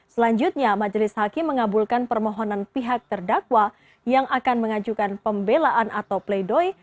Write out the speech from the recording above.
selanjutnya majelis hakim mengabulkan permohonan pihak terdakwa yang akan mengajukan pembelaan atau pledoi